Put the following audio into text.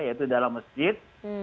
yaitu dalam masjid